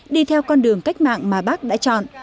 đi theo con đường cách mạng mà bác đã chọn